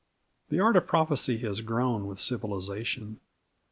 The art of prophecy has grown with civilisation.